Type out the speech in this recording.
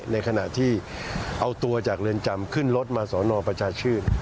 ในขณะที่เอาตัวจากเรือนจำขึ้นรถมาสอนอประชาชื่น